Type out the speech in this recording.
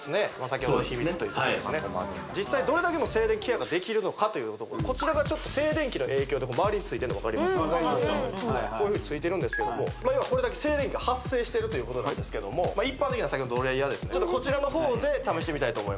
先ほどの秘密といった実際どれだけの静電気ケアができるのかというところこちらが静電気の影響でまわりについてるの分かりますかこういうふうについてるんですけどもこれだけ静電気が発生してるということなんですけども一般的な先ほどのドライヤーですねこちらの方で試してみます